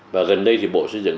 và gần đây thì bộ xây dựng